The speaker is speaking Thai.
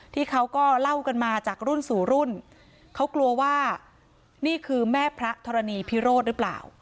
ที่เขาก็เล่ากันมาจากรุ่นสู่รุ่นเขากลัวว่านี่คือแม่พระธรณีพิโรธหรือเปล่า